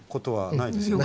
ないですね。